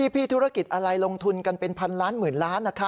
ธุรกิจอะไรลงทุนกันเป็นพันล้านหมื่นล้าน